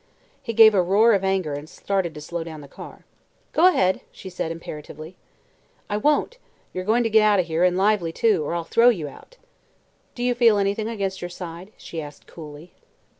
He gave a roar of anger and started to slow down the car. "Go ahead!" she said imperatively. "I won't. You're going to get out of here, and lively, too, or I'll throw you out." "Do you feel anything against your side?" she asked coolly.